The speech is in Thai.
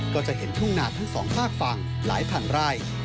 ก็จะเห็นทุ่งนาทั้งสองฝากฝั่งหลายพันไร่